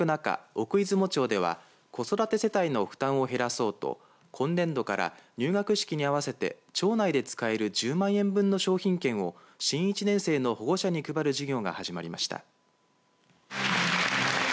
奥出雲町では子育て世帯の負担を減らそうと今年度から入学式に合わせて町内で使える１０万円分の商品券を新１年生の保護者に配る事業が始まりました。